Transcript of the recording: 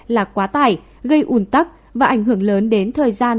là quá tải gây ủn tắc và ảnh hưởng lớn đến thời gian